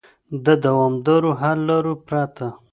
د دوامدارو حل لارو پرته